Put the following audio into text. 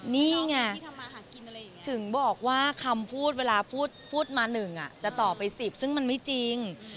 นี่ไงถึงบอกว่าคำพูดเวลาพูดมา๑จะต่อไป๑๐ซึ่งมันไม่จริง